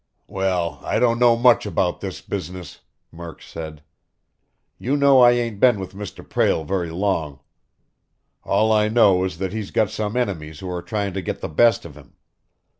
"Well, I don't know much about this business," Murk said. "You know I ain't been with Mr. Prale very long. All I know is that he's got some enemies who are tryin' to get the best of him.